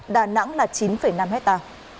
đà nẵng là chín năm hecta